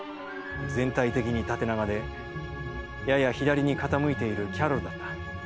全体的に縦長で、やや左に傾いているキャロルだった。